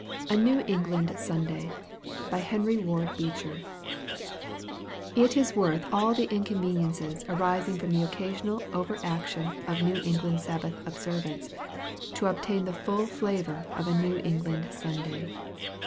A NEW ENGLAND SUNDAY From 'Norwood' It is worth all the inconveniences arising from the occasional over action of New England Sabbath observance, to obtain the full flavor of a New England Sunday.